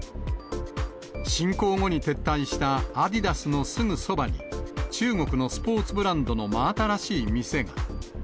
侵攻後に撤退したアディダスのすぐそばに、中国のスポーツブランドの真新しい店が。